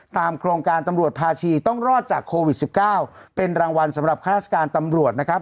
โครงการตำรวจภาชีต้องรอดจากโควิด๑๙เป็นรางวัลสำหรับข้าราชการตำรวจนะครับ